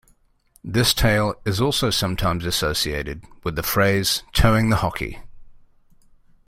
This tale is also sometimes associated with the phrase "toeing the hockey".